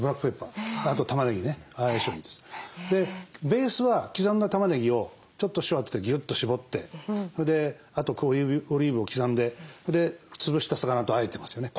ベースは刻んだたまねぎをちょっと塩当ててギュッとしぼってそれであとオリーブを刻んでそれでつぶした魚とあえてますよね。